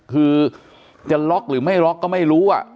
คือจะล็อกหรือไม่ล็อกก็ไม่รู้